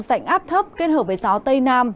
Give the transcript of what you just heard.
dạnh áp thấp kết hợp với gió tây nam